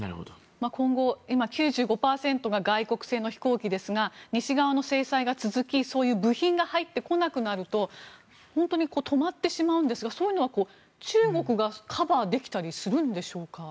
今後今９５％が外国製の飛行機ですが西側の制裁が続き、部品が入ってこなくなると本当に止まってしまうんですがそういうのは中国がカバーできたりするんでしょうか？